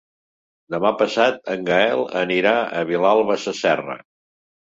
Demà passat en Gaël anirà a Vilalba Sasserra.